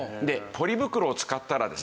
ポリ袋を使ったらですね